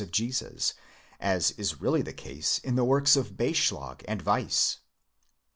of Jesus, as is really the case in the works of Beyschlag and Weiss.